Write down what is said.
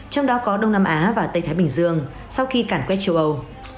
trong đó có đông nam á và tây thái bình dương sau khi cản quét châu âu